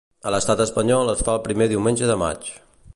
A l'Estat Espanyol es fa el primer diumenge de maig.